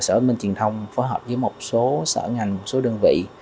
sở minh truyền thông phối hợp với một số sở ngành một số đơn vị